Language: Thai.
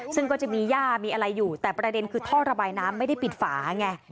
ซึ่งก็จะมีย่ามีอะไรอยู่แต่ประเด็นคือท่อระบายน้ำไม่ได้ปิดฝาไง